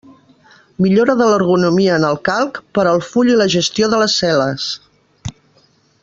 Millora de l'ergonomia en el Calc per al full i la gestió de les cel·les.